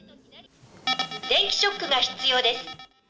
電気ショックが必要です。